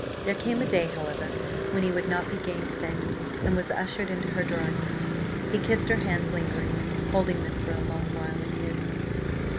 There came a day, however, when he would not be gainsaid, and was ushered into her drawing room. He kissed her hands lingeringly, holding them for a long while in his.